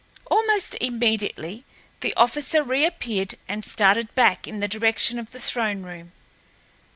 Almost immediately the officer reappeared and started back in the direction of the throne room.